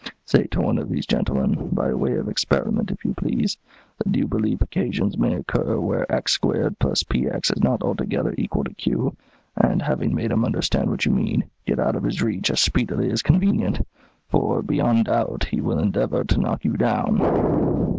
Say to one of these gentlemen, by way of experiment, if you please, that you believe occasions may occur where x²+px is not altogether equal to q, and, having made him understand what you mean, get out of his reach as speedily as convenient, for, beyond doubt, he will endeavour to knock you down.